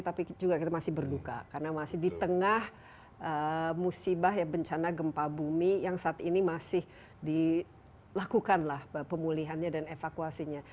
tapi juga kita masih berduka karena masih di tengah musibah bencana gempa bumi yang saat ini masih dilakukanlah pemulihannya dan evakuasinya